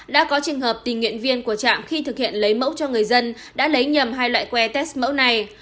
đã có trường hợp tình nguyện viên của trạm khi thực hiện lấy mẫu cho người dân đã lấy nhầm hai loại que test mẫu này